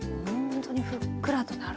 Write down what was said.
ほんとにふっくらと。